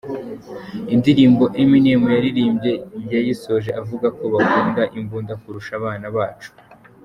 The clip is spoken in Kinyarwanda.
Indirimbo Eminem yaririmbye yayisoje avuga ko "bakunda imbunda kurusha abana bacu.